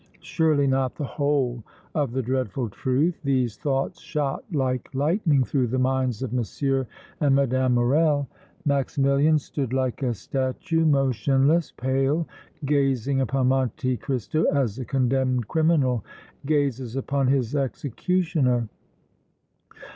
Surely not the whole of the dreadful truth! These thoughts shot like lightning through the minds of M. and Mme. Morrel. Maximilian stood like a statue, motionless, pale, gazing upon Monte Cristo as a condemned criminal gazes upon his executioner.